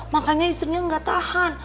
makanya istrinya gak tahan